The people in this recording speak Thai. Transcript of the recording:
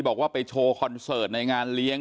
บอกว่าไปโชว์คอนเสิร์ตในงานเลี้ยง